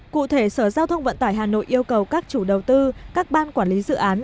cụ thể sở giao thông vận tải hà nội yêu cầu các chủ đầu tư các ban quản lý dự án